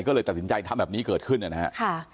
ก็เลยตัดสินใจทำแบบนี้เกิดขึ้นนะครับ